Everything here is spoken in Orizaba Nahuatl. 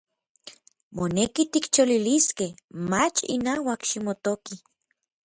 Moneki tikcholiliskej, mach inauak ximotoki.